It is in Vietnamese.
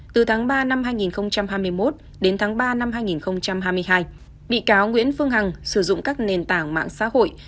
từ tháng ba năm hai nghìn hai mươi một đến tháng ba năm hai nghìn hai mươi hai bị cáo nguyễn phương hằng sử dụng các nền tảng mạng xã hội